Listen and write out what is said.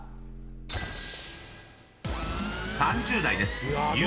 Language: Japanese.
［３０代です。